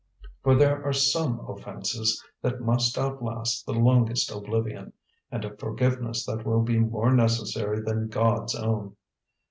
For there are some offenses that must outlast the longest oblivion, and a forgiveness that will be more necessary than God's own.